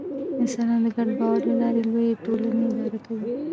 انسانان د ګډ باور له لارې لویې ټولنې اداره کوي.